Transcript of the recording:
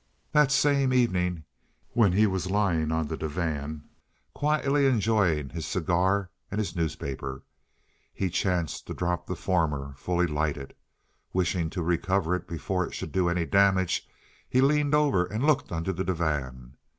That same evening, when he was lying on the divan, quietly enjoying his cigar and his newspaper, he chanced to drop the former, fully lighted. Wishing to recover it before it should do any damage, he leaned over and looked under the divan.